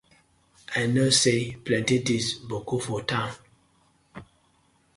I kno say plenty tinz boku for town.